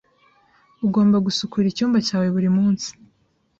Ugomba gusukura icyumba cyawe buri munsi.